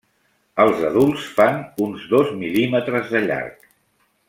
Els adults fan uns dos mil·límetres de llarg.